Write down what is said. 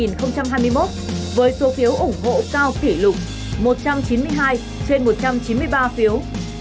năm hai nghìn hai mươi một với số phiếu ủng hộ cao kỷ lục một trăm chín mươi hai trên một trăm chín mươi ba phiếu